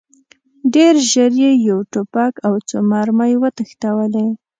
ډېر ژر یې یو توپک او څو مرمۍ وتښتولې.